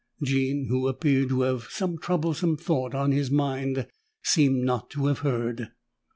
Jean, who appeared to have some troublesome thought on his mind, seemed not to have heard.